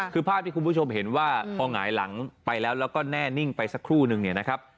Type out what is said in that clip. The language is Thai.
คือภาพที่คุณผู้ชมเห็นว่าพอหงายหลังไปแล้วแล้วก็แน่นิ่งไปสักครู่นึงเนี่ยนะครับ